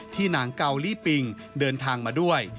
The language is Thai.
นางเกาลี่ปิงเดินทางมาด้วย